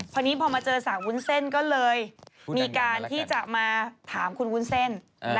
พอนี้พอมาเจอสาววุ้นเส้นก็เลยมีการที่จะมาถามคุณวุ้นเส้น